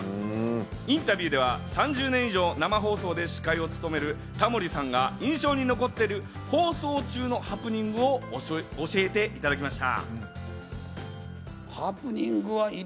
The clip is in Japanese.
インタビューでは３０年以上、生放送で司会を務めるタモリさんが、印象に残っている放送中のハプニングを教えていただきました。